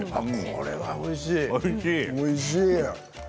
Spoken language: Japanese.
これはおいしい。